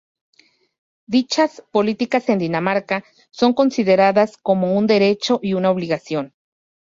Dichas políticas en Dinamarca son consideradas como un derecho y una obligación.